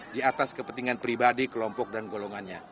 di atas kepentingan pribadi kelompok dan golongannya